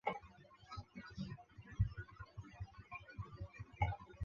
毛马齿苋是马齿苋科马齿苋属的植物。